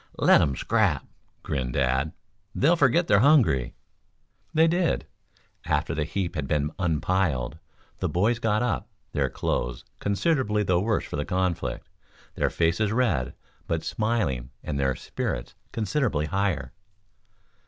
"Let 'em scrap," grinned Dad. "They'll forget they're hungry." They did. After the heap had been unpiled, the boys got up, their clothes considerably the worse for the conflict, their faces red, but smiling and their spirits considerably higher.